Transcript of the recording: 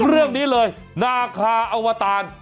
เรื่องนี้เลยนาคาอวตาร